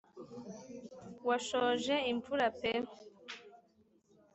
washoje imvura pe